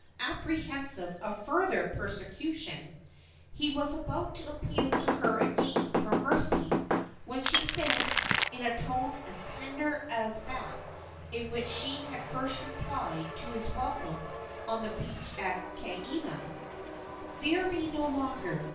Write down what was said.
Apprehensive of further persecution, he was about to appeal to her again for mercy when she said, in a tone as tender as that in which she had first replied to his welcome on the beach at Kaena: "Fear me no longer.